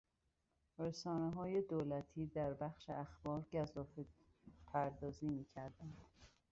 رسانههای دولتی در بخش اخبار گزافه پردازی میکردند.